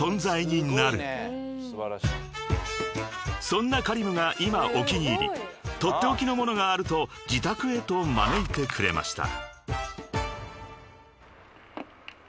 ［そんなＫａｒｉｍが今お気に入り取って置きのものがあると自宅へと招いてくれました］